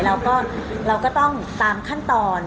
เราก็ต้องตามขั้นตอน